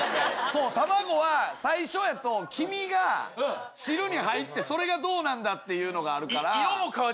卵は最初やと、黄身が汁に入ってそれがどうなんだっていうのがあるから。